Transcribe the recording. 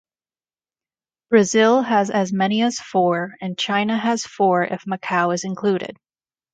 Brazil has as many as four and China has four if Macao is included.